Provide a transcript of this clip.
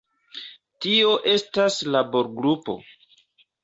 Tio estas laborgrupo.